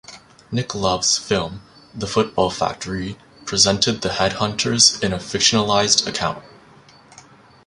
Nick Love's film "The Football Factory" presented the Headhunters in a fictionalised account.